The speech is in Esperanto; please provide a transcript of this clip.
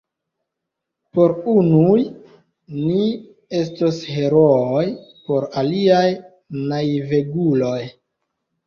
Por unuj, ni estos herooj; por aliaj, naiveguloj.